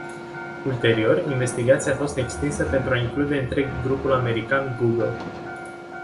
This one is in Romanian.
Ulterior, investigația a fost extinsă pentru a include întreg grupul american Google.